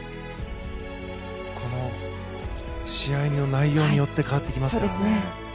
この試合の内容によって変わってきますね。